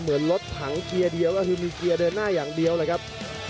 เหมือนรถถังเกียร์เดียวก็คือมีเกียร์เดินหน้าอย่างเดียวเลยครับ